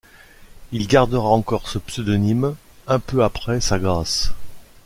Il gardera encore ce pseudonyme un peu après sa grâce.